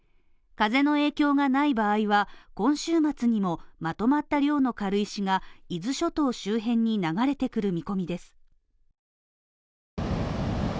風の影響がない場合は、今週末にもまとまった量の軽石が伊豆諸島周辺に流れてくる見込みです。